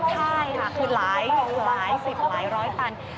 ใช่ค่ะคือหลายสิบหลายร้อยตัน